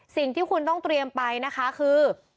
สิ่งที่คุณต้องเตรียมไปนะคะคือ